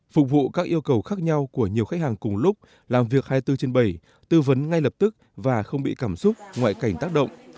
phục vụ các yêu cầu khác nhau của nhiều khách hàng cùng lúc làm việc hai mươi bốn trên bảy tư vấn ngay lập tức và không bị cảm xúc ngoại cảnh tác động